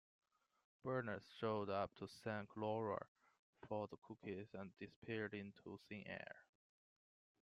Bernard shows up to thank Laura for the cookies and disappears into thin air.